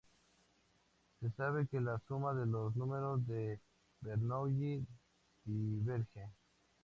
Se sabe que la suma de los números de Bernoulli diverge.